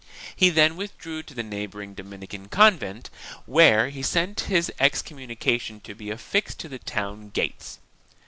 He then withdrew to the neigh boring Dominican convent, whence he sent his excommunication to be affixed to the town gates.